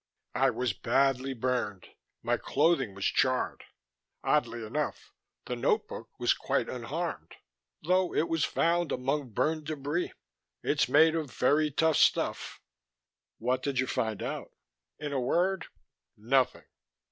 "I was badly burned; my clothing was charred. Oddly enough, the notebook was quite unharmed, though it was found among burned debris. It's made of very tough stuff." "What did you find out?" "In a word nothing.